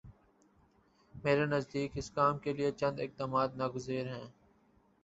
میرے نزدیک اس کام کے لیے چند اقدامات ناگزیر ہیں۔